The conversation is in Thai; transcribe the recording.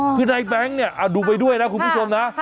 คือนายแบงค์เนี่ยดูไปด้วยนะคุณผู้ชมนะ